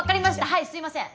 はいすいません。